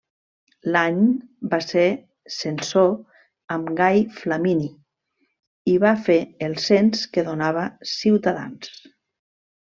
L'any va ser censor amb Gai Flamini i va fer el cens que donava ciutadans.